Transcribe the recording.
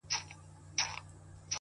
راته ستا حال راكوي;